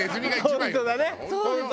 本当だね！